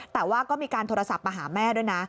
แต่ว่าก็มีการโทรศัพท์มาหาแม่ด้วยนะ